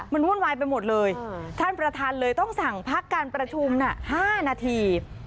มันวุ่นวายไปหมดเลยท่านประธานเลยต้องสั่งพักการประชุม๕นาที